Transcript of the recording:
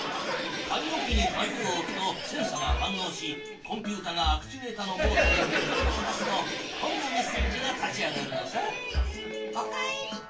鍵置きに鍵を置くとセンサが反のうしコンピュータがアクチュエータのモータに命令を出すとこんなメッセージが立ち上がるのさ。